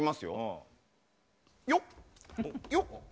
よっ！